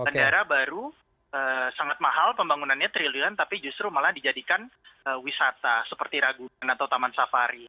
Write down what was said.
bandara baru sangat mahal pembangunannya triliun tapi justru malah dijadikan wisata seperti ragunan atau taman safari